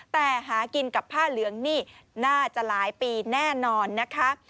แต่หากินกับผ้าเหลืองนี่น่าจะหลายปีแน่นอนนะคะ